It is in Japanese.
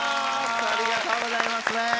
ありがとうございます。